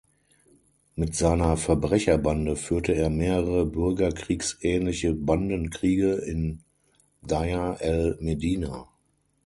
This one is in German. Mit seiner Verbrecherbande führte er mehrere bürgerkriegsähnliche Bandenkriege in Deir el-Medina.